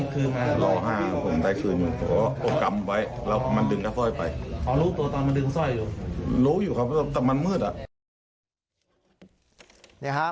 เพราะอะไรล็อกเก็ตคืนรอเห็นคืนมา